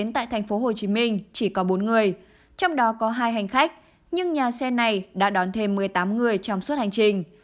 tại tp hcm chỉ có bốn người trong đó có hai hành khách nhưng nhà xe này đã đón thêm một mươi tám người trong suốt hành trình